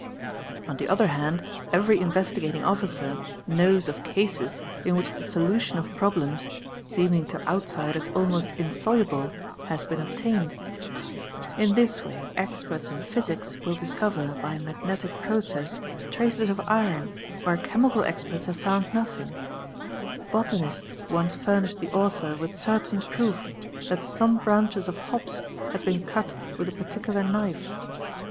On the other 150 THE EXPERT hand every Investigating Officer knows of cases in which the solution of problems, seeming to outsiders almost insoluble, has been obtained 7 | in this way experts in physics will discover, by a magnetic process, | traces of iron, where chemical experts have found nothing ; botanists once furnished the author with certain proof that some branches of hops had been cut with a particular knife.